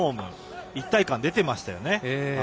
一体感が出ていましたよね。